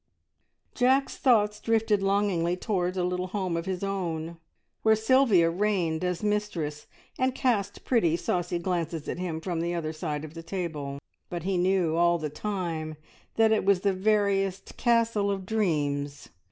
Jack's thoughts drifted longingly towards a little home of his own, where Sylvia reigned as mistress, and cast pretty, saucy glances at him from the other side of the table, but he knew all the time that it was the veriest castle of dreams.